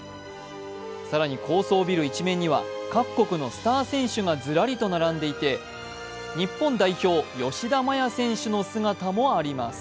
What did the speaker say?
更に高層ビル一面には各国のスター選手がずらりと並んでいて日本代表・吉田麻也選手の姿もあります。